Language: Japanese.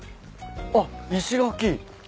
あっ石垣。